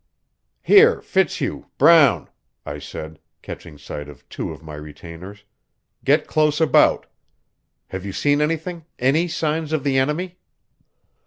"Here Fitzhugh, Brown," I said, catching sight of two of my retainers, "get close about. Have you seen anything any signs of the enemy?"